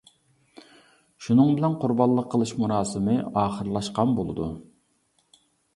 شۇنىڭ بىلەن قۇربانلىق قىلىش مۇراسىمى ئاخىرلاشقان بولىدۇ.